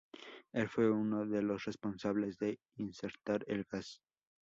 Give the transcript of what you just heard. Él fue uno de los responsables de insertar el gas.